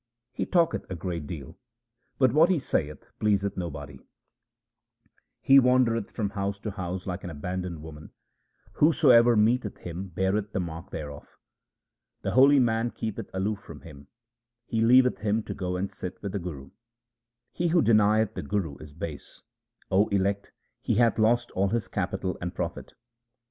He talketh a great deal, but what he saith pleaseth no body ; He wandereth from house to house like an abandoned woman ; whosoever meeteth him beareth the mark thereof. The holy man keepeth aloof from him ; he leaveth him to go and sit with the Guru. He who denieth the Guru is base ; O elect, he hath lost all his capital and profit.